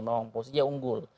memang posisinya unggul